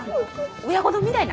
親子丼みだいな。